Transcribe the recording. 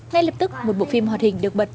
ngay lập tức một bộ phim hoạt hình được bật